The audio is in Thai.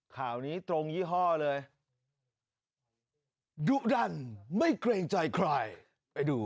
ข่าวนี้ตรงยี่ห้อเลยดุดันไม่เกรงใจใครไปดู